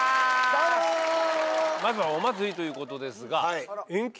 まずは「お祭り」ということですが延期